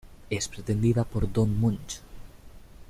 Es pretendida por Don Moncho.